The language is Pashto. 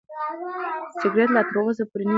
سګرټ لا تر اوسه پورې نیم سوځېدلی و.